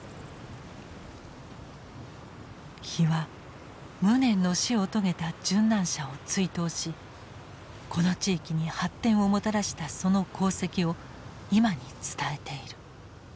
碑は無念の死を遂げた殉難者を追悼しこの地域に発展をもたらしたその功績を今に伝えている。